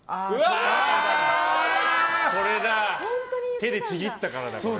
手でちぎったからだ。